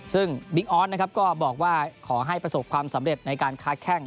ซึ่งบิ๊กออสนะครับก็บอกว่าขอให้ประสบความสำเร็จในการค้าแข้ง